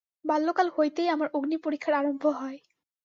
বাল্যকাল হইতেই আমার অগ্নিপরীক্ষার আরম্ভ হয়।